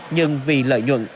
nhưng vì lợi nhuận